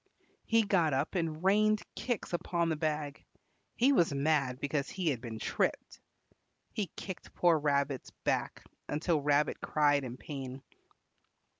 He got up and rained kicks upon the bag. He was mad because he had been tripped. He kicked poor Rabbit's back until Rabbit cried in pain.